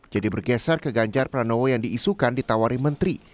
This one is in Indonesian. jadi bergeser ke ganjar pranowo yang diisukan ditawari menteri